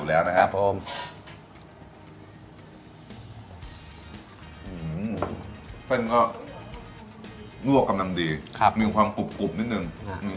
อู๋เส็นก็ดวกอันนั้นดีครับเหมือนความเนี่ยโน่ม